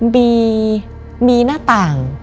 มีหน้าต่าง